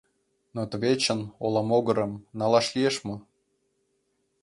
Но тывечын, ола могырым, налаш лиеш мо?